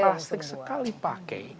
plastik sekali pakai